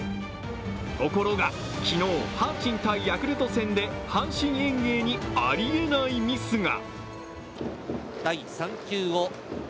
ところが昨日、阪神×ヤクルト戦で阪神園芸に、ありえないミスが。